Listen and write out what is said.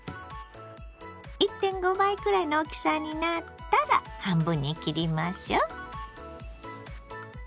１．５倍くらいの大きさになったら半分に切りましょう。